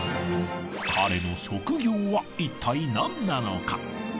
彼の職業はいったい何なのか？